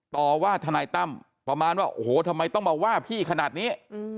ต่อว่าทนายตั้มประมาณว่าโอ้โหทำไมต้องมาว่าพี่ขนาดนี้